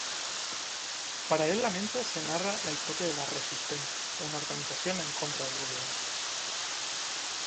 Paralelamente se narra la historia de la Resistencia, una organización en contra del Gobierno.